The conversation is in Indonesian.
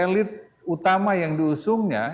dan elit utama yang diusungnya